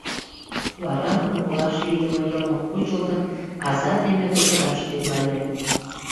Вара, умылаш лийдыме йылмым кучылтын, аза дене кутыраш тӱҥале.